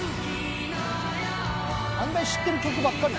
案外知ってる曲ばっかり。